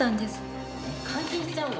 監禁しちゃうの。